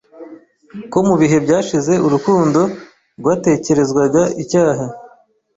ko mubihe byashize Urukundo rwatekerezwaga icyaha